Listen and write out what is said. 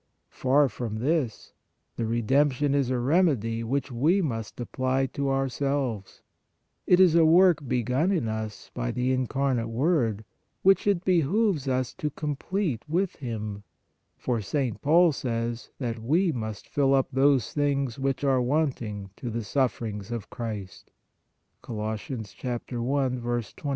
Far from this; the Re demption is a remedy which we must apply to our selves; it is a work begun in us by the Incarnate Word, which it behooves us to complete with Him, for St. Paul says that we " must fill up those things which are wanting to the sufferings of Christ " (Col. i. 21).